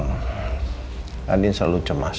danin selalu cemas